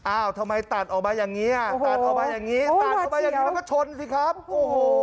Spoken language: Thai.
อ้าวทำไมตัดออกมาอย่างงี้อ่ะตัดออกมาอย่างงี้ตัดออกมาอย่างงี้แล้วก็ชนสิครับโอ้โห